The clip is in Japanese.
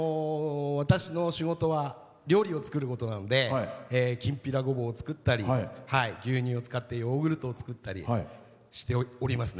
私の仕事は料理を作ることなのできんぴらごぼうを作ったり牛乳を使ってヨーグルトを作ったりしております。